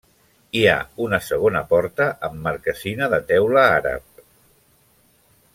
Hi ha una segona porta amb marquesina de teula àrab.